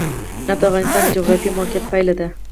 نفت د افغانستان د جغرافیایي موقیعت پایله ده.